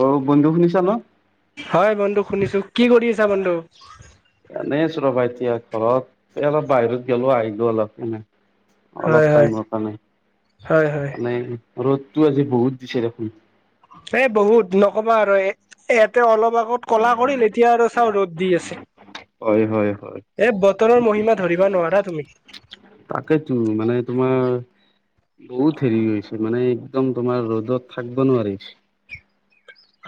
অ' বন্ধু শুনিছা ন। হয়, বন্ধু শুনিছো কি কৰি আছা বন্ধু। এনেই আছো ৰবা এতিয়া ঘৰত অলপ বাহিৰত গ'লো আহিলো অলপ এনে। হয় অলপ হয়। টাইমৰ কাৰণে হয় হয় মানে। ৰ'দতটো আজি বহুত দিছে দেখোন। এ বহুত নকবা আৰু ইয়াতে অলপ আগত ক'লা কৰিল এতিয়া আৰু চাওঁ ৰ'দ দি আছে, হয় হয় হয় এ বতৰৰ মহিমা ধৰিব নোৱাৰা তুমি। তাকেই তুমি মানে তোমাৰ। বহুত হেৰি হৈছে মানে একদম তোমাৰ ৰ'দত থাকিব নোৱাৰি।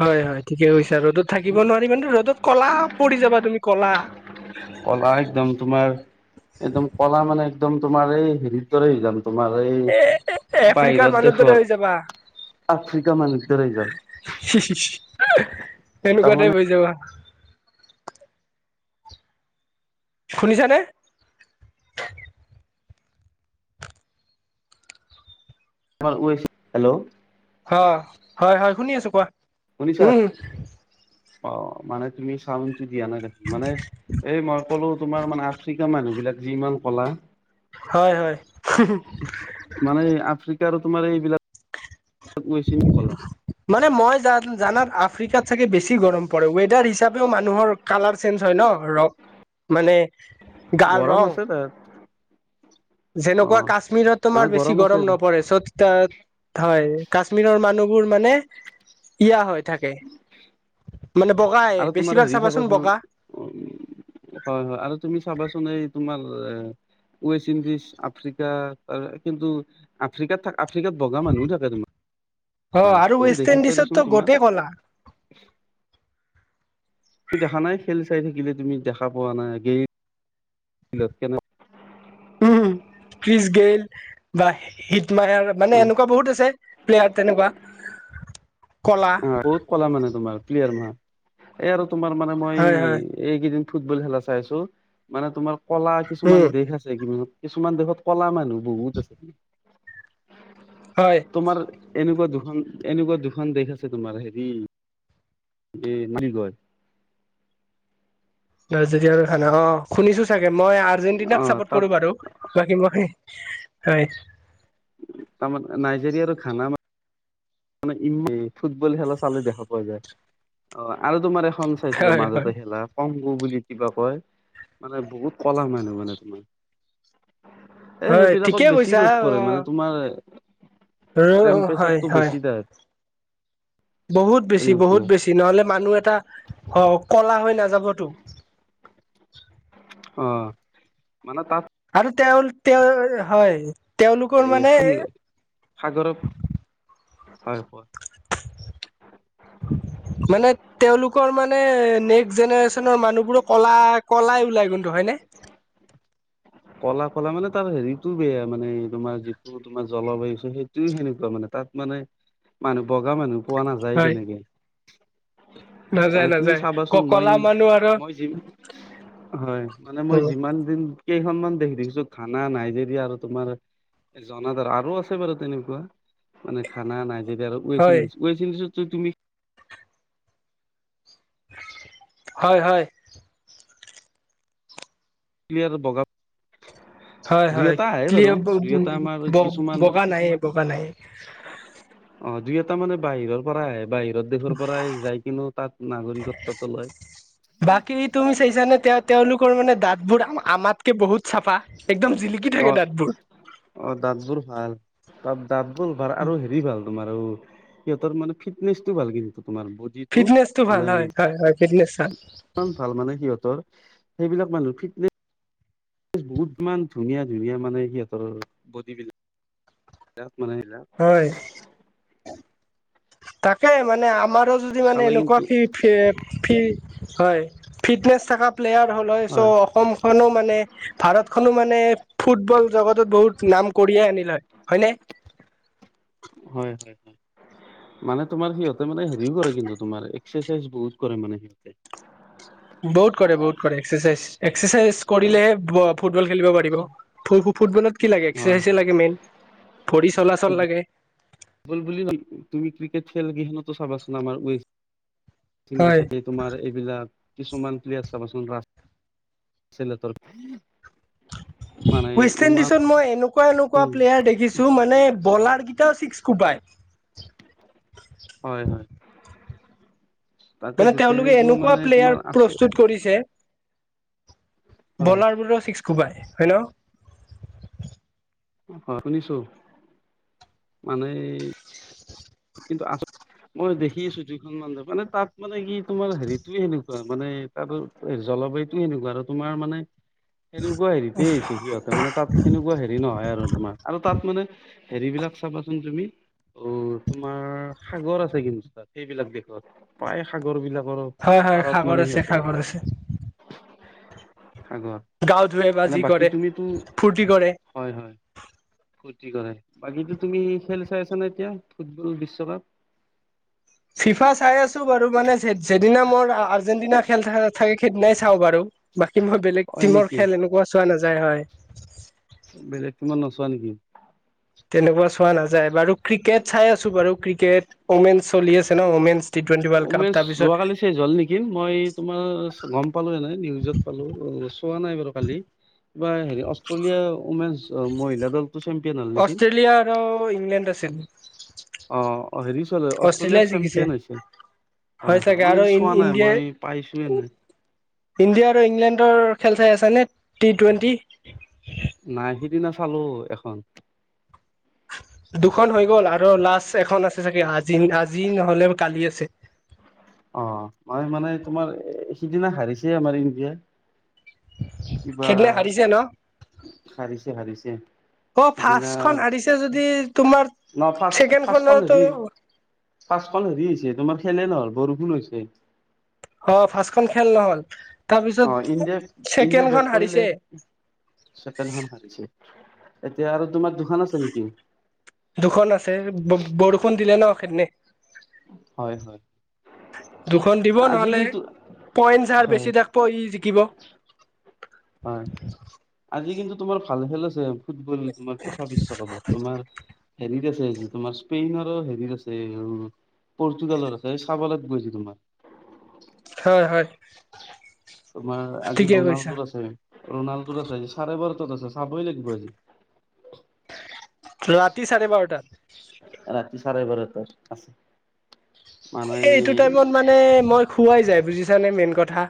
হয়, হয়, ঠিকে কৈছা ৰ'দত থাকিব নোৱাৰি মানে ৰ'দত কলা পৰি যাবা তুমি ক'লা। ক'লা একদম তোমাৰ একদম ক'লা মানে একদম তোমাৰ এই হেৰিৰ দৰে হৈ জাম। তোমাৰ এই এ আফ্ৰিকাৰ বাহিৰত মানুহৰ দৰে দেশৰ। হৈ যাবা। আফ্ৰিকা মানুহ দৰেই হৈ যাম। সেনেকুৱা এটা তাৰমানে হৈ যাবা। শুনিছানে। হ'ল [unintelligible] হেল্ল'। অ' হয়, হয়, শুনি আছো কোৱা শুনিছা উম। অ' মানে তুমি চাউনটো দিয়া নাই দেখোন মানে এই মই ক'লো তোমাৰ মানে আফ্ৰিকা। মানুহ বিলাক যিমান ক'লা। হয়, হয়। মানে আফ্ৰিকাৰ তোমাৰ এইবিলাক। গৈছিল কলা মানে মই জান জানাৰ। আফ্ৰিকাত চাগে বেছি গৰম পৰে, ৱেডাৰ হিচাপেও মানুহৰ কালাৰ চেঞ্জ হয় ন ৰক। মানে। গাৰ গৰম ৰং আছে তাত। অ যেনেকুৱা কাশ্মীৰত মানে তোমাৰ বেছি আছে গৰম নপৰে চ'ত তাত হয়। কাশ্মীৰৰ মানুহবোৰ মানে ইয়া হৈ থাকে। মানে বগাই আৰু তোমাৰ বেছিভাগ হেৰি চাবাচোন বগা হয় হয় আৰু তুমি চাবাচোন এই তোমাৰ। ৱেষ্ট ইণ্ডিজ, আফ্ৰিকা কিন্তু আফ্ৰিকাত থাক আফ্ৰিকাত বগা মানুহো থাকে দেখোন। অ' আৰু ৱেষ্ট ইণ্ডিজৰতো গোটেই ক'লা। তুমি দেখা নাই খেল চাই থাকিলে তুমি দেখা পোৱা নাই কিচগেইল কেনেকুৱা।। উম কিচগেইল বা হিতমাইৰ মানে এনেকুৱা বহুত আছে। প্লেয়াৰ তেনেকুৱা। কলা অ' বহুত কলা মানে তোমাৰ ক্লিয়াৰ মাহ এই আৰু তোমাৰ মানে মই হয় হয় এইকেইদিন। ফুটবল খেলা চাইছো মানে তোমাৰ ক'লা কিছুমান উম দেশ আছে কি। কিছুমান দেশত ক'লা মানুহ বহু আছে। হয় তোমাৰ এনেকুৱা দুখন এনেকুৱা দুখন দেশ আছে। তোমাৰ হেৰি এই নিগৰ। দজ খানা অ' শুনিছো চাগে মই অ আৰ্জেণ্টিনাক চাপৰ্ট তাত কৰো বাৰু বাকী মই। হয়। তাৰমানে নাইজেৰিয়াৰো খানা মানে ইম্মে ফুটবল খেলা চালে দেখা পোৱা যায়। অ' আৰু তোমাৰ এখন চাইছিলোঁ হয় মাজতে হয় খেলা, কমগো বুলি কিবা কয় মানে বহুত কলা মানুহ মানে তোমাৰ। এ, হয় ঠিকে সেইবিলাকত বেছি ৰ'দ পৰে মানে তোমাৰ হে, হয় টেম্পৰেচাৰটো হয়। বেছি তাত বহুত বেছি বহুত তেনেকুৱা বেছি, নহলে মানুহ এটা হওক কলা হৈ নাযাবতো। অ' মানে তাত আৰু তেওঁ তেওঁ হয়। তেওঁলোকৰ এই মানে সি সাগৰত হয় হয়। [inaudible] মানে তেওঁওলোকৰ মানে নেক্সট জেনেৰেচনৰ মানুহবোৰো কলা কলাই ওলাই কন্তু হয় নে? [unintelligible] [inaudible] ক'লা ক'লা মানে তাৰ হেৰিটো বেয়া মানে তোমাৰ যিটো তোমাৰ জলবায়ু সেইটোয়ে সেনেকুৱা মানে তাত। মানে মানুহ বগা মানুহ পোৱা নাযায় হয় তেনেকে। নাযায় মানে তুমি নাযায় ক চাবাচোন মই কলা মানুহ আৰু মই যি হয়, মানে মই যিমান দিন কেইখনমান দেশ দেখিছোঁ, খানা নাইজেৰিয়া আৰু তোমাৰ জনাদাৰ, আৰু আছে বাৰু তেনেকুৱা মানে খানা নাই। তেতিয়লে ৱেষ্ট হয় ইণ্ডিজ, ৱেষ্ট ইণ্ডিজত তুমি হয় হয়। প্লেয়াৰো বগা হয় দুই হয় এটা আহে বাৰু ক্লিয় দুই এটা আমাৰ কিছুমান ব-বগা নায়ে বগা নায়ে। অ' দুই এটা মানে বাহিৰৰ পৰা আহে বাহিৰত যত দেশৰ পৰাই যাই কিনু তাত নাগৰিকত্বটো লয়। বাকী তুমি চাইছানে তেওঁ-তেওঁলোকৰ মানে দাঁতবোৰ আমাতকে বহুত চাফা। একদম জিলিকি অ থাকে দাঁতবোৰ। অ দাঁতবোৰ ভাল তাত দাঁতবোৰ ভাল আৰু হেৰি ভাল তোমাৰ অ' সিহঁতৰ মানে ফিটনেচটো ভাল কিন্তু। তোমাৰ বডিটো ফিটনেছটো ভাল মানে হয় হয় হয়, ফিটনেছ ভাল। ইমান ভাল মানে সিহঁতৰ সেইবিলাক মানুহ ফিটনেছ বহুত ইমান ধুনীয়া ধুনীয়া মানে সিহঁতৰ বডি বিল মানে এলা হয় তাকে মানে আমাৰো যদি মানে চালে এনেকুৱা কিন্তু ফি-ফি-ফি হয়, ফিটনেছ থাকা প্লেয়াৰ হ'ল হয় চ' অসমখনো মানে ভাৰতখনো মানে ফুটবল জগতত বহুত নাম কৰিয়ে আনিল হয় হয়নে? হয় হয় হয়, মানে তোমাৰ সিহঁতে মানে হেৰিও কৰে কিন্তু তোমাৰ এক্সাৰচাইজ বহুত কৰে মানে সিহঁতে। বহুত কৰে বহুত কৰে এক্সাৰচাইজ। এক্সাৰচাইজ কৰিলেহে ফুটবল খেলিব পাৰিব ফ-ফুটবলত কি লাগে হয় এক্সাৰচাইজে হয় লাগে মেইন, ভৰি চলাচল ফুটবল লাগে। বুলি তুমি ক্ৰিকেট খেল কেইখনতো চাবাচোন আমাৰ ৱেছ হয় পিছতে তোমাৰ এইবিলাক কিছুমান প্লেছ চাবচোন [unintelligible] ৱেষ্ট ইণ্ডিজত মই এনেকুৱা এনেকুৱা প্লেয়াৰ দেখিছোঁ মানে বলাৰ টাও চিক্স কোবাই। হয় হয়। তাকে মানে তেওঁলোকে তেনেকুৱা মানে এনেকুৱা তোমাৰ প্লেয়াৰ আচ প্ৰস্তুত কৰিছে। হয় বলাৰবোৰো ছিক্সকোবাই হয় ন হয় শুনিছো মানে কিন্তু আ মই দেখি আছো দুইখন মান মানে তাত মানে কি তোমাৰ হেৰিতটোয়ে সেনেকুৱা মানে তাত জলবায়ুতটো সেনেকুৱা আৰু তোমাৰ মানে সেনেকুৱা হেৰিতেই হৈছে সিহঁতে মানে তাত সেনেকুৱা হেৰি নহয় আৰু তোমাৰ আৰু তাত মানে হেৰি বিলাক চাবাচোন তুমি অ তোমাৰ সাগৰ আছে কিন্তু তাত সেইবিলাক দেশত প্ৰায় সাগৰ বিলাক হয় হয় পাৰত সাগৰ মানে আছে সিহঁতে হেৰি সাগৰ কৰে আছে আগৰ গাও ধুৱে বা এনে যি বাকী কৰে তুমিতো ফূৰ্তি কৰে হয় হয় কৰে বাকী তুমি খেল চাই আছা নে এতিয়া ফুটবল বিশ্বকাপ যদিনা মোৰ আৰ্জেন্টিনা খেল থাকে সেইদিনাই চাওঁ বাৰু কিই বেলেগ হয় টিমৰ নেকি খেল এনেকুৱা চোৱা নাযায় হয় বেলেগ তোমান নচোৱা নেকি তেনেকুৱা চোৱা নাযায় বাৰু ক্ৰিকেট চাই আছো বাৰু ক্ৰিকেট ওমেন চলি আছে ন women T twenty world cup উমেশ তাৰপিছত যোৱাকালি চ হল নেকি মই তোমাৰ গম পালো এনে নিউজত পালো চোৱা নাই বাৰু কালি অষ্ট্ৰেলিয়া উইমেন মহিলা চেম্পিয়ন হ'ল অষ্ট্ৰেলিয়া আৰু ইংলেণ্ড আছিল আহ হেৰি চলে অষ্ট্ৰেলিয়াই অষ্ট্ৰেলিয়াৰ জিকিছে চেম্পিয়ন হৈছিল হয় হয় চাগে মই আৰু কিন্তু চোৱা নাই ইণ্ডিয়াই মই পাইছোয়ে এনে ইণ্ডিয়া আৰু ইংলেণ্ডৰ খেল চাই আছ নে টি টুৱেণ্টি নাই সিদিনা চালো এখন দুখন হৈ গ'ল আৰু লাষ্ট এখন আছে চাগে আজি আজি নহ'লে কালি আছে অ মই মানে তোমাৰ সিদিনা হাৰিছে আমাৰ ইণ্ডিয়া কিবা সিদিনা হাৰিছে ন হাৰিছে হাৰিছে অ সিদিনা ফাৰ্ষ্টখন হাৰিছে যদি তোমাৰ ন ফাৰ্ষ্টখন ছেকেণ্ডখনতো হেৰি ফাৰ্ষ্টখন হেৰি হৈছে তোমাৰ খেলে নহল বৰষুণ হৈছে অ ফাৰ্ষ্টখন খেল নহল তাৰপিছত অ ইণ্ডিয়াই ইণ্ডিয়াই ছেকেণ্ডখন বেট কৰিলে হাৰিছে ছেকেণ্ডখন হাৰিছে এতিয়া আৰু তোমাৰ দুখন আছে নেকি দুখন আছে বৰষুণ দিলে ন সেইদিনে হয় হয় দুখন দিব আজি নহলে কিন্তু পইন্টাৰ হয় বেছি থাকিব ই জিকিব হয় আজি কিন্তু তোমাৰ ভাল খেল আছে ফুটবল তোমাৰ ফিফা বিশ্বকাপত তোমাৰ হে হেৰি আছে তোমাৰ স্পেইন আৰু হেৰিৰ আছে পৰ্তুগালৰ আছে এই চাব লাগিব আজি তোমাৰ হয় হয় তোমাৰ আজি ঠিকে কৈছা ৰনাল্ডো আছে ৰণাল্ডোৰ আছে আজি চাৰে বাৰটাত আছে চাবই লাগিব আজি ৰাতি চাৰে বাৰটাত ৰাতি চাৰে বাৰতাত আছে এ এইটো মানে টাইমত মানে মই খোৱাই যায় বুজিছানে মেইন কথা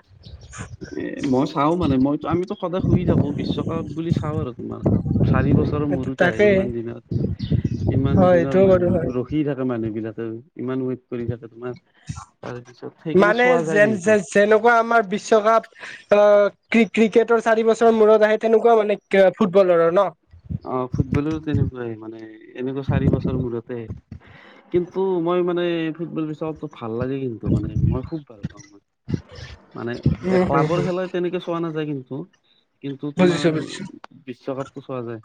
এ মই চাও মানে মই আমিতো সদায় শুই থাকো বিশ্বকাপ বুলি চাওঁ আৰু তোমাৰ চাৰি বছৰ চৰ মূৰত আহে তাকে ইমান দিনত ইমান হয় দিনৰ এইটোও বাৰু মানুহ হয় ৰখি থাকে মানুহ বিলাক ইমান ৱেট কৰি থাকে তোমাৰ তাৰপিছত সেইকাৰণে মানে চোৱা যায় যেন কিন্তু যেনেকুৱা আমাৰ বিশ্বকাপ অহ, ক্ৰি-ক্ৰিকেটৰ চাৰি বছৰ মূৰত আহে তেনেকুৱা মানে ফুটবলৰো ন'। অহ, ফুটবলৰো তেনেকুৱাই মানে এনেকুৱা চাৰি বছৰ মূৰতে। কিন্তু মই মানে ফুটবল বিচা ভাল লাগে কিন্তু মানে মই খুব ভাল পাওঁ। মই মানে এ ক্লাবৰ খেলা তেনেকে চোৱা নাযায়। নাযায় কিন্তু, কিন্তু তোমাৰ বুজিছো বুজিছো বিশ্বকাপটো চোৱা যায়।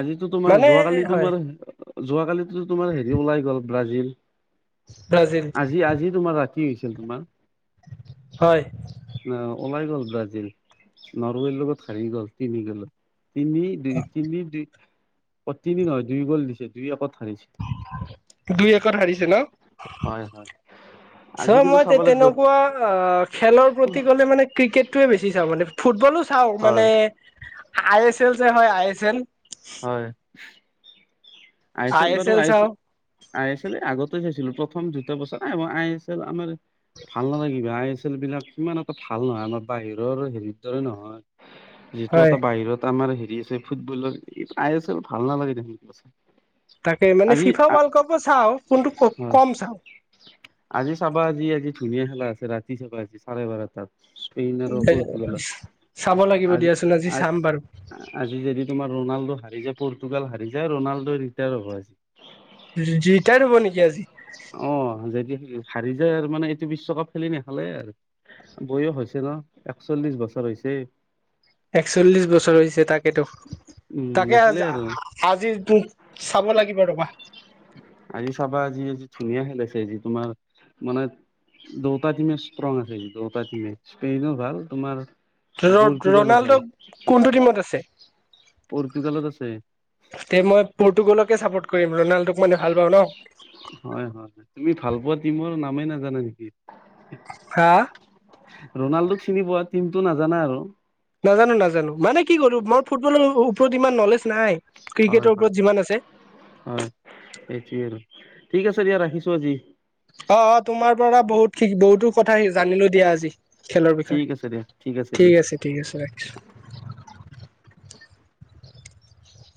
আজিতো তোমাৰ, মানে যোৱাকালি হয় তোমাৰ যোৱাকালিতো তোমাৰ হেৰি ওলাই গ'ল ব্ৰাজিল। ব্ৰাজিল আজি-আজি তোমাৰ ৰাতি হৈছিল তোমাৰ। অহ, হয় ওলাই গ'ল। ব্ৰাজিল, নৰৱেৰ লগত হাৰি গ'ল তিনি গলত। তিনি দুই কি দুই, তিনি নহয় দুই গ'ল দিছে দুই একত হাৰিছে দুই একত হাৰিছে ন। হয় হয় চ' আজি কিন্তু মই চাব লাগিব তেনেকুৱা খেলৰ প্ৰতি গ'লে মানে ক্ৰিকেটটোয়ে বেছি চাওঁ মানে ফুটবলো চাওঁ। চাওঁ হয় মানে, আই এছ এল যে হয় আই এছ এল। হয় আই এছ এল বাৰু I S L, I S L এ আগতে আছিলোঁ, প্ৰথম দুটা বছৰ এ মই আই এছ এল আমাৰ ভাল নালাগে কিবা আই এছ এল বিলাক ইমান এটা ভাল নহয়। আমাৰ বাহিৰৰ হেৰিৰ দৰে নহয়। যিটো হয় এটা বাহিৰত আমাৰ হেৰি আছে ফুটবলৰ আই এছ এল ভাল নালাগে তে তাকে মানে ফিফা ৱৰ্ল্ড কাপো চাওঁ কিন্তু হয় কম চাওঁ। আজি চাবা আজি, আজি ধুনীয়া খেলা আছে ৰাতি চাবা আজি চাৰে বাৰটাত। স্পেইন আৰু দে, পৰ্তুগালৰ চাব লাগিব দিয়াচোন আজি চাম বাৰু। আজি যদি তোমাৰ ৰনাল্ডো হাৰি যায়, পৰ্তুগাল হাৰি যায়, ৰনাল্ডো ৰিটায়াৰ হ'ব আজি। ৰিটায়াৰ হ'ব নেকি আজি? অ যদি হাৰি যায় আৰু মানে এইটো বিশ্বকাপ খেলি নেখেলে আৰু। বয়স হৈছে ন' একচল্লিশ বছৰ হৈছে। একচল্লিশ বছৰ হৈছে তাক সেইটো উম তাকে নেখেলে আজি, আৰু আজিৰতো চাব লাগিব ৰবা। আজি চাবা আজি-আজি ধুনীয়া খেলা আছে আজি তোমাৰ মানে দুইটা টিমে ষ্ট্ৰং একেই দুটা টিমে স্কিনো ভাল তোমাৰ পৰ্তুগালো ভাল ৰ-ৰনাল্ডো কোনটো টিমত আছে? পৰ্তুগালত আছে। তে মই পৰ্তুগালকে চাপৰ্ট কৰিম, ৰনাল্ডোক মানে ভাল পাওঁ ন। হয়। তুমি ভাল পোৱা টিমৰ নামেই নাজানা নেকি? হা ৰনাল্ডো চিনি পোৱা টিমটো নাজানা আৰু। নাজানোঁ নাজানোঁ মানে কি কৰো মই ফুটবলৰ ওপৰত ইমান নলেজ নাই। হয়, ক্ৰিকেটৰ হয়, ওপৰত হয়, যিমান আছে হয়। এইটোৱে আৰু। ঠিক আছে দিয়া, ৰাখিছোঁ আজি। অহ', অহ' তোমাৰ পৰা বহুত, বহুতো কথা জানিলোঁ দিয়া আজি। খেলৰ বিষয়ে। ঠিক আছে দিয়া দিয়া ঠিক আছে, ঠিক আছে ৰাখিছোঁ।